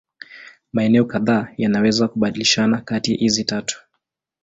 Maeneo kadhaa yanaweza kubadilishana kati hizi tatu.